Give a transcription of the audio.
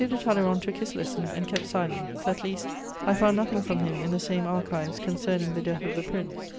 de Talleyrand took his lesson, and kept silence; at least, I found nothing from him in the same archives concerning the death of the Prince.